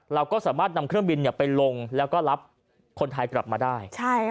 เราก็สามารถนำเครื่องบินไปลงแล้วก็รับคนไทยกลับมาได้